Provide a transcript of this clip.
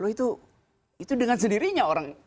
itu dengan sendirinya orang